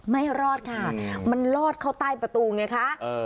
ไม่รอดค่ะมันลอดเข้าใต้ประตูไงคะ